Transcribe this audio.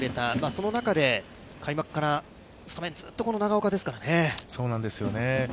その中で開幕からスタメンはずっとこの長岡ですからね。